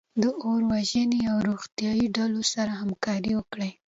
د اور وژنې او روغتیایي ډلو سره همکاري وکړئ.